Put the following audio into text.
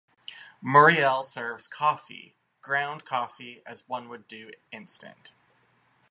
Muriel serves "coffee": ground coffee prepared as one would do instant.